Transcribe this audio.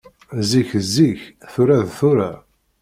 Zik d zik, tura d tura.